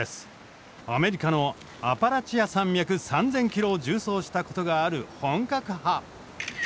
アメリカのアパラチア山脈３，０００ｋｍを縦走したことがある本格派。